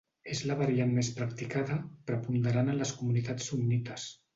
És la variant més practicada, preponderant en les comunitats sunnites.